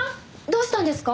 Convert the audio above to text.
どうしたんですか？